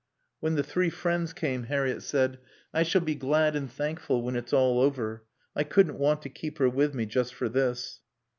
When the three friends came, Harriett said, "I shall be glad and thankful when it's all over. I couldn't want to keep her with me, just for this."